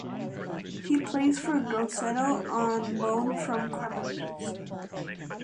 He plays for Grosseto on loan from Cremonese.